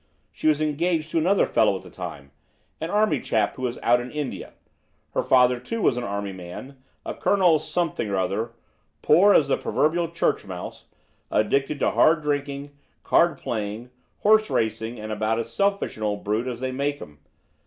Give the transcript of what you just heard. She was engaged to another fellow at the time, an army chap who was out in India. Her father, too, was an army man, a Colonel Something or other, poor as the proverbial church mouse, addicted to hard drinking, card playing, horse racing, and about as selfish an old brute as they make 'em.